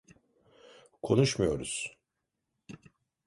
Konuşmuyoruz.